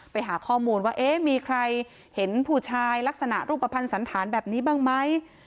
ไปหาข้อมูลว่าเอ๊ะมีใครเห็นผู้ชายลักษณะรูปภัณฑ์สันธารแบบนี้บ้างไหม